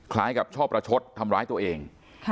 คล้ายกับชอบประชดทำร้ายตัวเอง